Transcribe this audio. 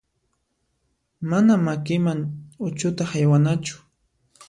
Mana makiman uchuta haywanachu.